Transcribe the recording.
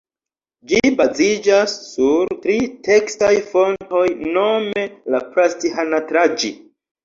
Ĝi baziĝas sur tri tekstaj fontoj nome la "Prasthanatraĝi".